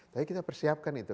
tapi kita persiapkan itu